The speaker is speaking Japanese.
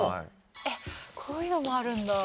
えっこういうのもあるんだ。